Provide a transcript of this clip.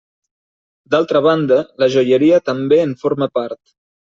D'altra banda, la joieria també en forma part.